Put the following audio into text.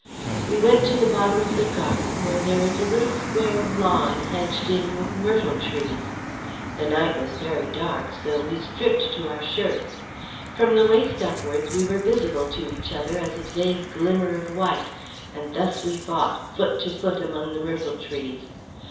"We went to the bottom of the garden where there is a little square of lawn hedged in with myrtle trees. The night was very dark, so we stripped to our shirts. From the waist upwards we were visible to each other as a vague glimmer of white, and thus we fought, foot to foot, among the myrtle trees.